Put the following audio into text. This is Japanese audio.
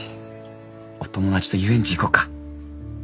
お友達と遊園地行こうか。